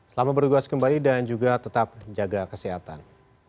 selamat bertugas kembali dan juga tetap jaga kesehatan